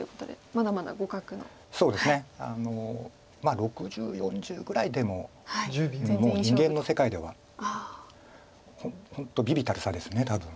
６０４０ぐらいでももう人間の世界では本当微々たる差です多分。